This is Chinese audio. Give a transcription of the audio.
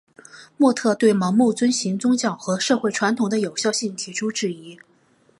莫特对盲目遵循宗教和社会传统的有效性提出质疑。